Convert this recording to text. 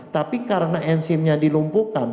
tapi karena enzimnya dilumpukan